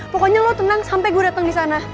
pokoknya lo tenang sampe gue dateng disana